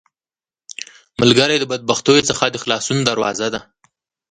ملګری د بدبختیو څخه د خلاصون دروازه ده